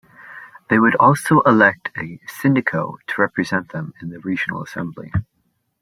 They would also elect a "sindico" to represent them in the regional assembly.